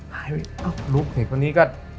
หายไปเห็กวันนี้ก็